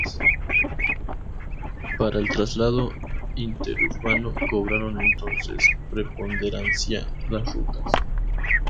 Para el traslado interurbano cobraron entonces preponderancia las rutas.